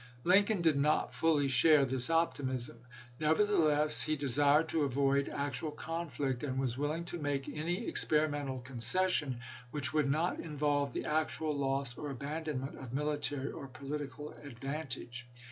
Lincoln did not fully share this optimism ; nevertheless, he desired to avoid actual conflict, and was willing to make any experimental concession which would not in volve the actual loss or abandonment of military or political advantage.